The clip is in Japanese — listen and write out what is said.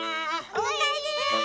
おかえり。